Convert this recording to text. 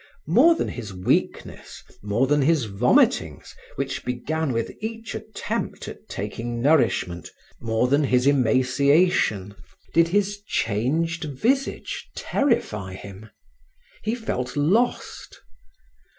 More than his weakness, more than his vomitings which began with each attempt at taking nourishment, more than his emaciation, did his changed visage terrify him. He felt lost.